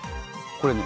これね